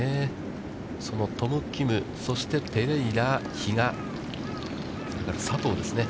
そのトム・キム、そしてペレイラ、比嘉、佐藤ですね。